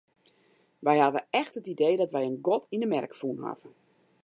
Wy hawwe echt it idee dat wy in gat yn 'e merk fûn hawwe.